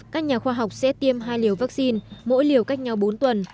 các nhà khoa học sẽ tiêm hai liều vắc xin mỗi liều cách nhau bốn tuần